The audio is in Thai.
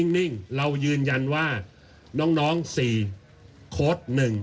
นิ่งเรายืนยันว่าน้อง๔โค้ด๑